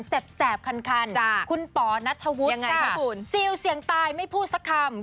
แบคันคุณป๋อนัทธวุฒิซิลเสียงตายไม่พูดสักคำ